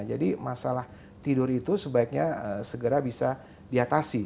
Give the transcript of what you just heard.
jadi masalah tidur itu sebaiknya segera bisa diatasi